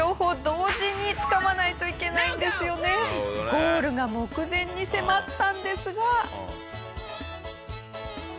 ゴールが目前に迫ったんですが。